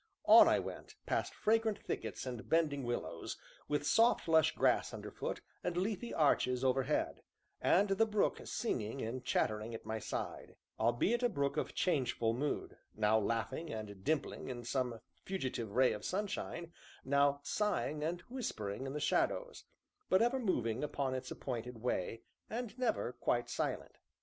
On I went, past fragrant thickets and bending willows, with soft lush grass underfoot and leafy arches overhead, and the brook singing and chattering at my side; albeit a brook of changeful mood, now laughing and dimpling in some fugitive ray of sunshine, now sighing and whispering in the shadows, but ever moving upon its appointed way, and never quite silent.